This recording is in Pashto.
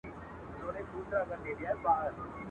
څه راوړه، څه به يوسې.